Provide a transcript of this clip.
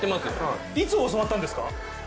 いつ教わったんですか。